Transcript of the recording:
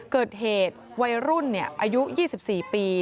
เกิดเหตุวัยรุ่นอายุ๒๔ปี